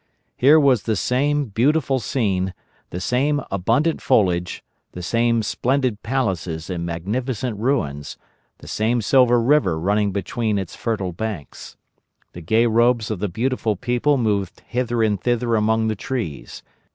Here was the same beautiful scene, the same abundant foliage, the same splendid palaces and magnificent ruins, the same silver river running between its fertile banks. The gay robes of the beautiful people moved hither and thither among the trees.